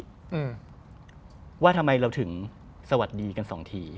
อืมว่าทำไมเราถึงสวัสดีกันสองที